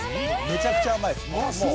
めちゃくちゃ甘いです。